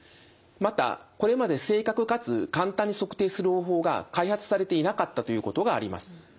またこれまで正確かつ簡単に測定する方法が開発されていなかったということがあります。